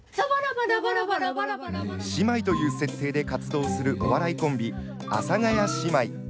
姉妹という設定で活動するお笑いコンビ・阿佐ヶ谷姉妹。